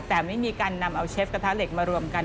แต่ไม่มีการนำเอาเชฟกระทะเหล็กมารวมกัน